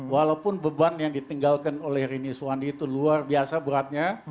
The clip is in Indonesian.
walaupun beban yang ditinggalkan oleh rini suwandi itu luar biasa beratnya